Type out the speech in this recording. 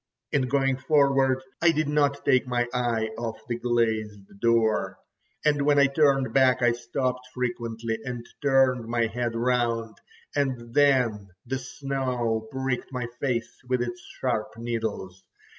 In going forward I did not take my eye off the glazed door, and when I turned back I stopped frequently and turned my head round, and then the snow pricked my face with its sharp needles.